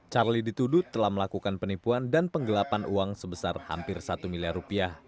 charlie dituduh telah melakukan penipuan dan penggelapan uang sebesar hampir satu miliar rupiah